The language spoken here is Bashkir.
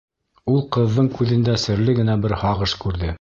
Ул ҡыҙҙың күҙендә серле генә бер һағыш күрҙе.